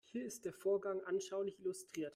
Hier ist der Vorgang anschaulich illustriert.